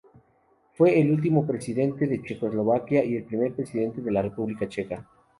Fue el último presidente de Checoslovaquia y el primer presidente de la República Checa.